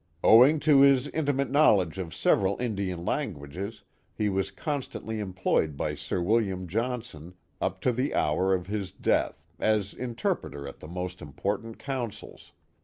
Owing to his intimate knowledge of several Indian languages, he was constantly employed by Sir Wil liam Johnson, up to the hour of his death, as interpreter at the most important councils.